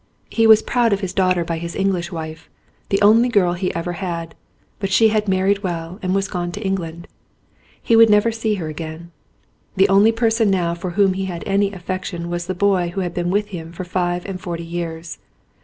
He was proud of his daughter by his English wife,, the only girl he ever had, but she had married well and was gone to England. He would never see her again. The only person now for whom he had any affec tion was the boy who had been with him for five and forty years.